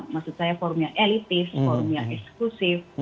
maksud saya forum yang elitis forum yang eksklusif